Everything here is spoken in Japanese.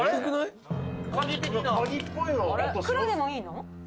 「」「黒でもいいの？」